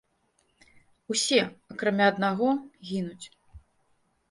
Усе, акрамя аднаго, гінуць.